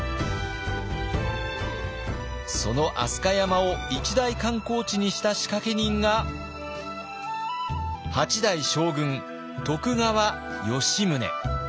その飛鳥山を一大観光地にした仕掛け人が８代将軍徳川吉宗。